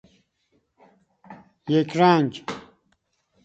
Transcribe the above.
یک رنگ